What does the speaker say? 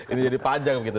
ini jadi panjang begitu